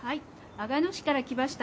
阿賀野市から来ました